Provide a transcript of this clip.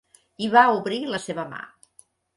I va obrir la seva mà.